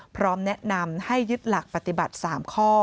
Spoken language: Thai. พร้อมแนะนำให้ยึดหลักปฏิบัติ๓ข้อ